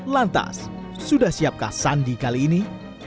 lantas sudah siapkah sandi kali ini